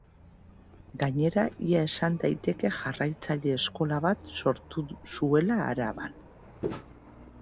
Gainera, ia esan daiteke jarraitzaile eskola bat sortu zuela Araban.